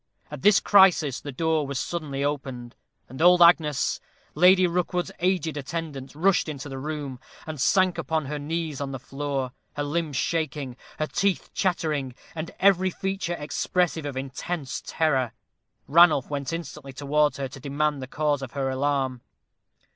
At this crisis the door was suddenly opened, and old Agnes, Lady Rookwood's aged attendant, rushed into the room, and sank upon her knees on the floor, her limbs shaking, her teeth chattering, and every feature expressive of intense terror. Ranulph went instantly towards her to demand the cause of her alarm.